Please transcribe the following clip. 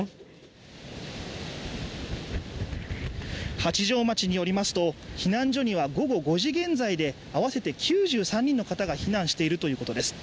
八丈町によりますと、避難所には午後５時現在で合わせて９３人の方が避難しているということです。